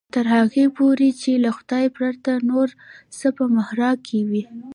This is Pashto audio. تر هغې پورې چې له خدای پرته نور څه په محراق کې وي.